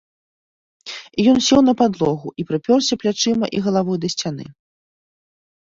І ён сеў на падлогу і прыпёрся плячыма і галавой да сцяны.